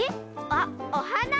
あっおはな？